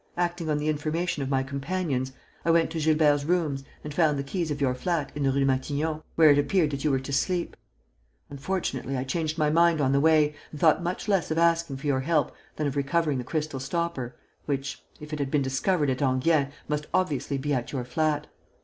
Acting on the information of my companions, I went to Gilbert's rooms and found the keys of your flat in the Rue Matignon, where it appeared that you were to sleep. Unfortunately, I changed my mind on the way and thought much less of asking for your help than of recovering the crystal stopper, which, if it had been discovered at Enghien, must obviously be at your flat.